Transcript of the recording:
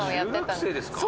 中学生ですか？